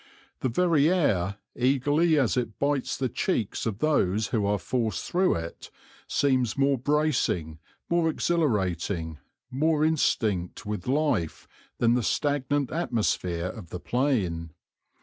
The very air, eagerly as it bites the cheeks of those who are forced through it, seems more bracing, more exhilarating, more instinct with life than the stagnant atmosphere of the plain.